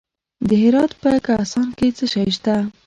د هرات په کهسان کې څه شی شته؟